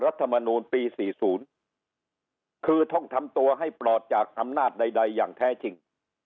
รัฐมนูลปี๔๐คือต้องทำตัวให้ปลอดจากอำนาจใดอย่างแท้จริง